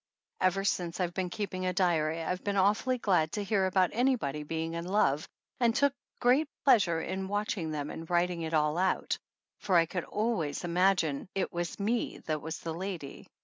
Ever since I've been keeping a diary I've been awfully glad to hear about anybody being in love, and took great pleasure in watching them and writ ing it all out, for I could always imagine it was me that was the lady.